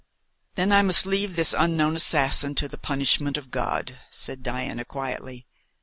"Then I must leave this unknown assassin to the punishment of God!" said Diana quietly.